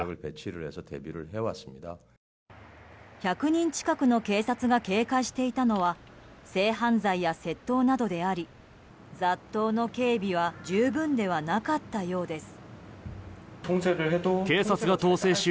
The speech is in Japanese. １００人近くの警察が警戒していたのは性犯罪や窃盗などであり雑踏の警備は十分ではなかったようです。